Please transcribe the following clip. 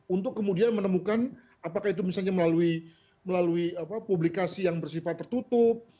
untuk kemudian menemukan apakah itu misalnya melalui publikasi yang bersifat tertutup